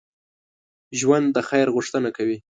ژوندي د خیر غوښتنه کوي